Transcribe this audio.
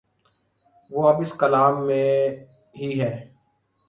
وہ اب اس کلام میں ہی ہے۔